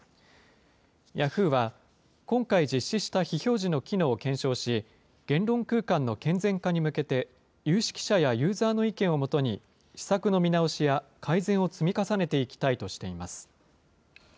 ヤフーは、今回実施した非表示の機能を検証し、言論空間の健全化に向けて、有識者やユーザーの意見をもとに、施策の見直しや改善を積み重ねていきたいとしています。